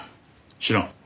知らん。